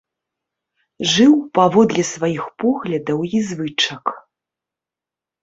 Жыў паводле сваіх поглядаў і звычак.